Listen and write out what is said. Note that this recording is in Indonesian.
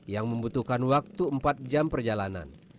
yang membutuhkan waktu empat jam perjalanan